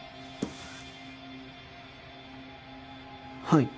はい。